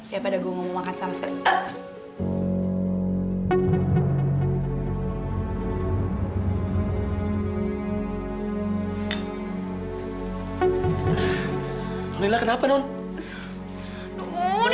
ya pada gue mau makan sama sekali